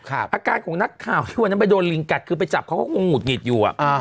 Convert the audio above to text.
อาการของนักข่าวที่วันนั้นไปโดนลิงกัดคือไปจับเขาก็คงหุดหงิดอยู่